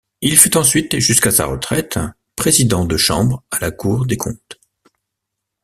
Il fut ensuite, jusqu'à sa retraite, Président de Chambre à la Cour des Comptes.